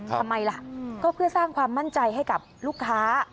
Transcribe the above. ทำไมล่ะก็เพื่อสร้างความมั่นใจให้กับลูกค้า